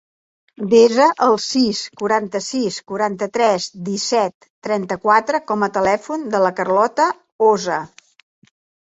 Desa el sis, quaranta-sis, quaranta-tres, disset, trenta-quatre com a telèfon de la Carlota Osa.